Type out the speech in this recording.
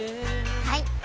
はい！